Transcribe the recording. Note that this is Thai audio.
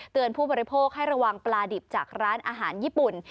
ผู้บริโภคให้ระวังปลาดิบจากร้านอาหารญี่ปุ่น